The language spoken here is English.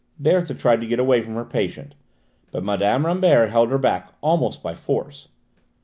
Berthe tried to get away from her patient, but Mme. Rambert held her back, almost by force.